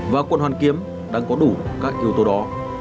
và quận hoàn kiếm đang có đủ các yếu tố đó